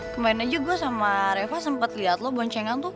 kemarin aja gue sama reva sempat lihat lo boncengan tuh